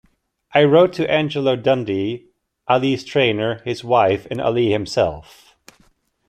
I wrote to Angelo Dundee, Ali's trainer, his wife and Ali himself.